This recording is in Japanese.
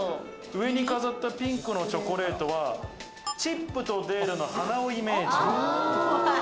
上に飾ったピンクのチョコレートは、チップとデールの鼻をイメージ。